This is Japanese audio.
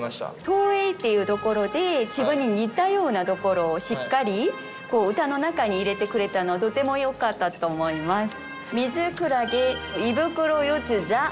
投影っていうところで自分に似たようなところをしっかり歌の中に入れてくれたのはとてもよかったと思います。